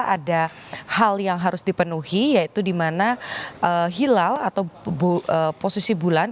ada hal yang harus dipenuhi yaitu di mana hilal atau posisi bulan